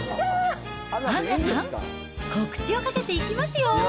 アンナさん、告知をかけていきますよ。